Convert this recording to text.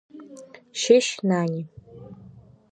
Шьышь нани.